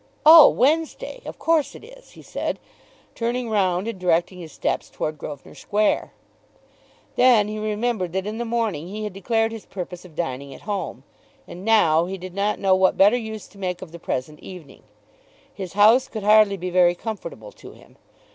"Oh, Wednesday! Of course it is," he said, turning round and directing his steps towards Grosvenor Square. Then he remembered that in the morning he had declared his purpose of dining at home, and now he did not know what better use to make of the present evening. His house could hardly be very comfortable to him.